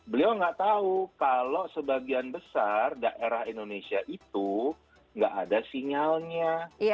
beliau nggak tahu kalau sebagian besar daerah indonesia itu nggak ada sinyalnya